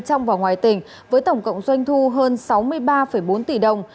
trong và ngoài tỉnh với tổng cộng doanh thu hơn sáu mươi ba bốn tỷ đồng